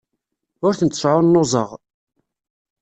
Ur tent-sɛunnuẓeɣ.